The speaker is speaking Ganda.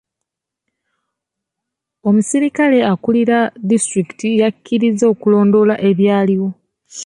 Omuserikale akulira disitulikiti yakirizza okulondoola ebyaliwo.